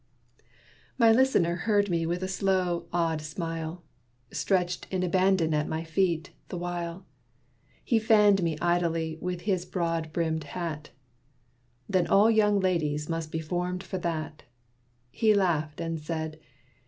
My listener heard me with a slow, odd smile; Stretched in abandon at my feet, the while, He fanned me idly with his broad brimmed hat. "Then all young ladies must be formed for that!" He laughed, and said.